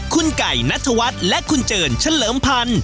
คุณไก่นัทวัฒน์และคุณเจินเฉลิมพันธ์